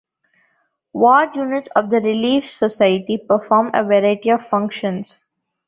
Ward units of the Relief Society performed a variety of functions.